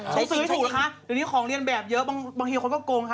ใช้สูตรนะคะเดี๋ยวนี้ของเรียนแบบเยอะบางคนก็โกงค่ะ